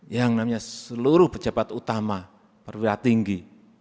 yang namanya seluruh pejabat utama perwira tinggi